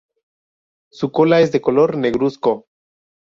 Su cola es de color negruzco.